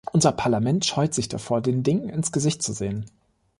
Unser Parlament scheut sich davor, den Dingen ins Gesicht zu sehen.